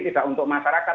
tidak untuk masyarakat